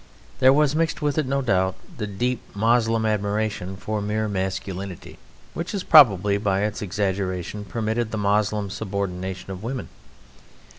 There was mixed with it, no doubt, the deep Moslem admiration for mere masculinity, which has probably by its exaggeration permitted the Moslem subordination of women.